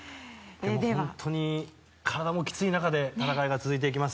本当に体のきつい中で戦いが続いていきます。